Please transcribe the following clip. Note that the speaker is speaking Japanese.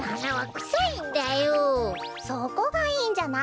そこがいいんじゃない！